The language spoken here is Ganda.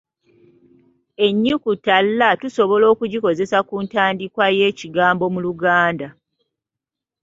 Ennyukuta l tusobola okugikozesa ku ntandikwa y’ekigambo mu Luganda.